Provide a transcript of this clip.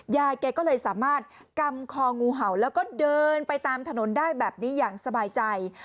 ยายแกก็เลยสามารถกำคองูเห่าแล้วก็เดินไปตามถนนได้แบบนี้อย่างสบายใจ